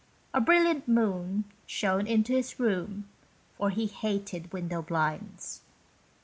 A brilliant moon shone into his room, for he hated window blinds.